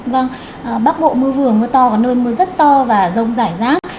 vâng bắc bộ mưa vừa mưa to có nơi mưa rất to và rông rải rác